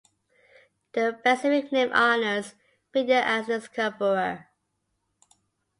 The specific name honours Venier as discoverer.